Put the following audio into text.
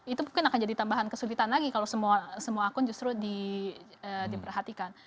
itu mungkin akan jadi tambahan kesulitan lagi kalau semua akun justru diperhatikan